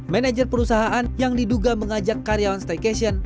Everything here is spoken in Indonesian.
manajer perusahaan yang diduga mengajak karyawan staycation